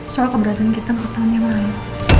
soal keberatan kita empat tahun yang lalu